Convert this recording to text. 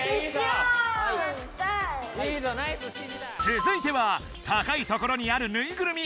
つづいては高いところにあるぬいぐるみ。